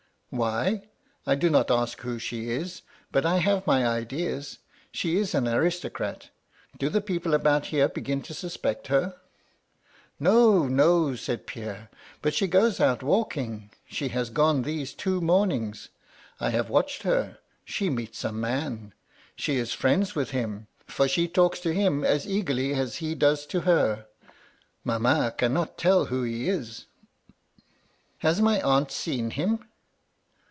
*'* Why ? I do not ask who she is, but I have my ideas. She is an aristocrat Do the people about here begin to suspect her ?'"* No, no I' said Pierre. * But she goes out walking. She has gone these two mornings. I have watched her. She meets a man — she is friends with him, for MY LADY LUDLOW. 151 she talks to him as eagerly as he does to her — ^mamma cannot tell who he is/ "* Has my aunt seen him